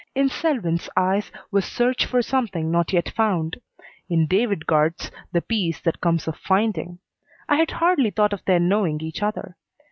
In Selwyn's eyes was search for something not yet found. In David Guard's the peace that comes of finding. I had hardly thought of their knowing each other.